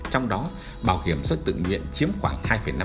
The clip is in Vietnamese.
trong đó bảo hiểm xã hội tự nhiên chiếm khoảng hai năm